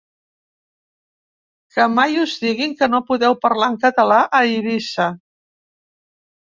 Que mai us diguin que no podeu parlar en català a Eivissa.